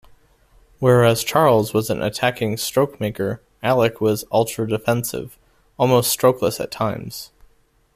Whereas Charles was an attacking stroke-maker, Alick was ultra-defensive, almost strokeless at times.